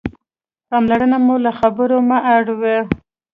پاملرنه مو له خبرو مه اړوئ.